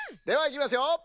ではいきますよ。